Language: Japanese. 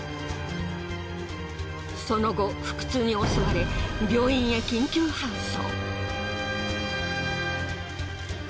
その後腹痛に襲われ病院へ緊急搬送。